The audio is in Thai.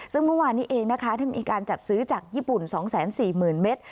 ซึ่งเมื่อวานนี้เองนะคะได้มีการจัดซื้อจากญี่ปุ่น๒๔๐๐๐เมตร